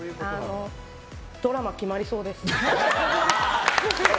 ドラマ決まりそうです。